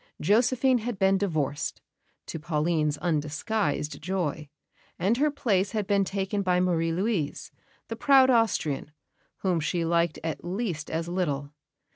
Josephine had been divorced, to Pauline's undisguised joy; and her place had been taken by Marie Louise, the proud Austrian, whom she liked at least as little.